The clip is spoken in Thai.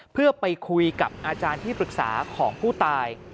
เพื่อไปคุยกับอาจารย์ที่ปรึกษาของผู้ตาย